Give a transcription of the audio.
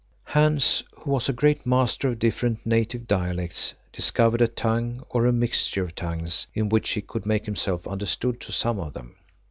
Hans, who was a great master of different native dialects, discovered a tongue, or a mixture of tongues, in which he could make himself understood to some of them.